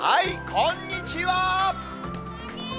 こんにちは。